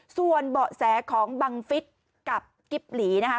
ส่วนเบาะแสของบังฟิศกับกิ๊บหลีนะคะ